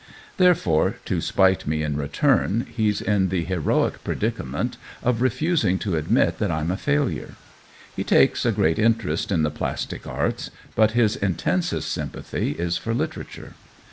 Therefore, to spite me in return, he's in the heroic predicament of re fusing to admit that I'm a failure. He takes a great interest in the plastic arts, but his intensest sympathy is for literature.